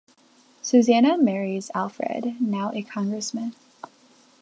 Susannah marries Alfred, now a congressman.